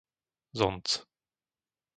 Zonc